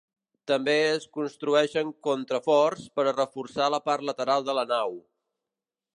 També es construeixen contraforts per a reforçar la part lateral de la nau.